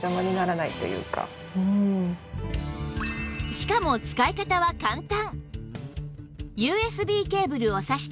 しかも使い方は簡単